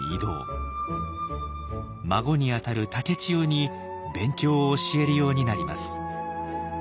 孫にあたる竹千代に勉強を教えるようになります。